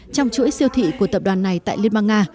trong chuỗi siêu thị của tập đoàn này tại liên bang nga